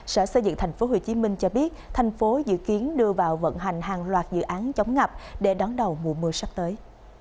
sở xây dựng thành phố hồ chí minh cho biết thành phố dự kiến đưa vào vận hành hàng loạt dự án chống ngập để đón đầu mùa mưa sắp tới